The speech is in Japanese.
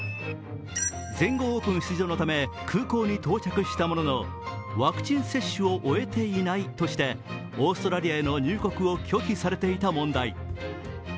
全豪オープン出場のため空港に到着したもののワクチン接種を終えていないとしてオーストラリアへの入国を拒否されていた問題。